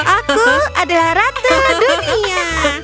aku adalah ratu dunia